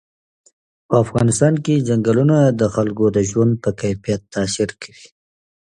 په افغانستان کې چنګلونه د خلکو د ژوند په کیفیت تاثیر کوي.